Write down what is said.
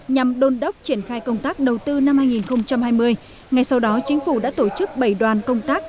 nhằm đôn đốc triển khai công tác đầu tư năm hai nghìn hai mươi ngay sau đó chính phủ đã tổ chức bảy đoàn công tác